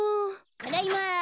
ただいま！